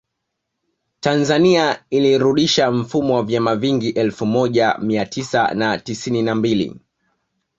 Tanzania ilirudisha mfumo wa vyama vingi elfu moja Mia tisa na tisini na mbili